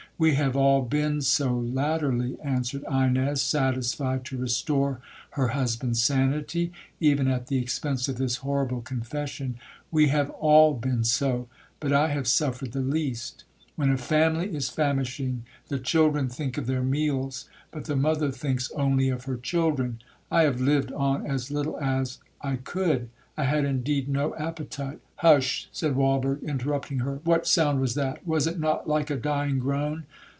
'We have all been so latterly,' answered Ines, satisfied to restore her husband's sanity, even at the expense of this horrible confession,—'We have all been so—but I have suffered the least. When a family is famishing, the children think of their meals—but the mother thinks only of her children. I have lived on as little as—I could,—I had indeed no appetite.'—'Hush,' said Walberg, interrupting her—'what sound was that?—was it not like a dying groan?'